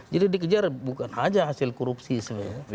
jadi dikejar bukan saja hasil korupsi sebenarnya